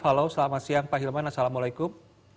halo selamat siang pak hilman assalamualaikum